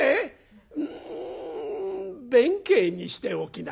うん弁慶にしておきな」。